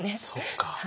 そうか。